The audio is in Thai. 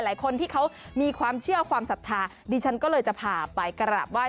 หลายคนที่เขามีความเชื่อความศรัทธาดิฉันก็เลยจะพาไปกราบไห้